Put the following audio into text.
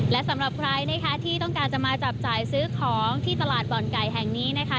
และสำหรับใครนะคะที่ต้องการจะมาจับจ่ายซื้อของที่ตลาดบ่อนไก่แห่งนี้นะคะ